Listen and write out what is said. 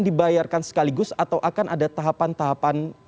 dibayarkan sekaligus atau akan ada tahapan tahapan